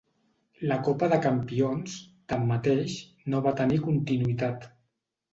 La Copa de Campions, tanmateix, no va tenir continuïtat.